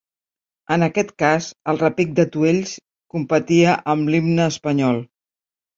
En aquest cas, el repic d’atuells competia amb l’himne espanyol.